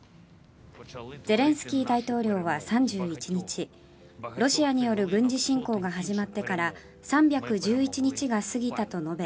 ゼレンスキー大統領は３１日ロシアによる軍事侵攻が始まってから３１１日が過ぎたと述べ